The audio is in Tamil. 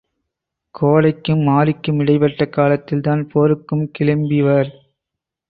கோடைக்கும் மாரிக்கும் இடைப்பட்ட காலத்தில் தான் போருக்கும் கிளிம்புவர்.